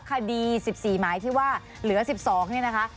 คดี๑๔หมายที่ว่าเหลือ๑๒นี่นะคะ